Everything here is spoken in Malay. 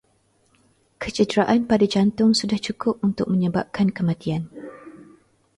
Kecederaan pada jantung sudah cukup untuk menyebabkan kematian